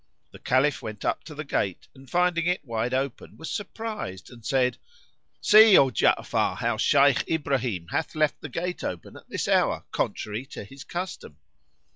The Caliph went up to the gate and finding it wide open, was surprised and said, "See, O Ja'afar, how Shaykh Ibrahim hath left the gate open at this hour contrary to his custom!"